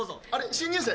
新入生？